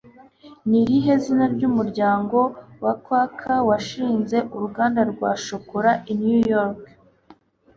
Ni irihe zina ry'umuryango wa Quaker washinze uruganda rwa shokora i New York?